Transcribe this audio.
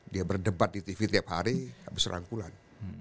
dia berdebat di tv tiap hari habis rangkulan